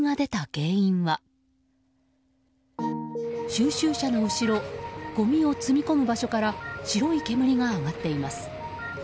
収集車の後ろごみを積み込む場所から白い煙が上がっています。